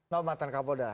yang mantan kak polda